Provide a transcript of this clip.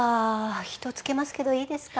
人つけますけどいいですか？